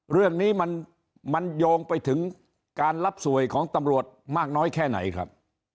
เรื่องนี้มันโยงไปถึงการรับสวยของตำรวจมากน้อยแค่ไหนครับ